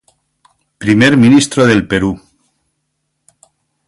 Primer Ministro del Perú.